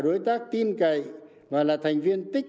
đối tác tin cậy và là thành viên tích